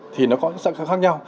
thì nó cũng sẽ khác nhau